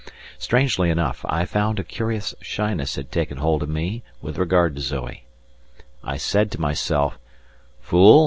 Strangely enough I found that a curious shyness had taken hold of me with regard to Zoe. I said to myself, "Fool!